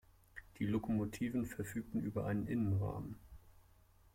Die Lokomotiven verfügten über einen Innenrahmen.